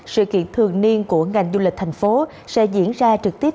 sự kiện thường niên của ngành du lịch thành phố sẽ diễn ra trực tiếp